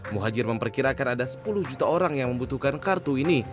muhajir memperkirakan ada sepuluh juta orang yang membutuhkan kartu ini